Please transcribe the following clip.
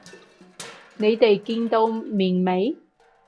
你哋見到面未？